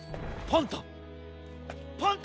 パンタン！